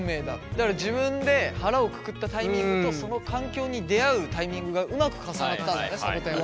だから自分で腹をくくったタイミングとその環境に出会うタイミングがうまく重なったんだねさぼてんは。